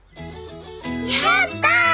やった！